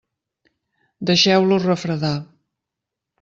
Deixeu-los refredar.